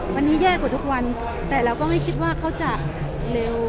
วันนี้แย่กว่าทุกวันแต่เราก็ไม่คิดว่าเขาจะเร็ว